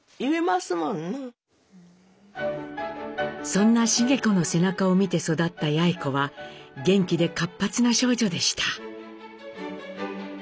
そんな繁子の背中を見て育った八詠子は元気で活発な少女でした。